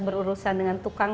berurusan dengan tukang